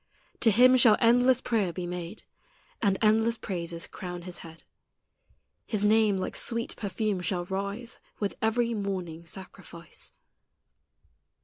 To Him shall endless prayer be made, And endless praises crown His head; His name like sweet perfume shall rise With every morning sacrifice.